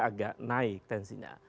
agak naik tensinya